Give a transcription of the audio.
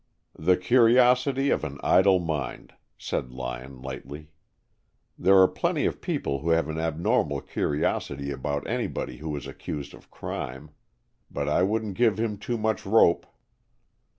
"The curiosity of an idle mind," said Lyon, lightly. "There are plenty of people who have an abnormal curiosity about anybody who is accused of crime. But I wouldn't give him too much rope."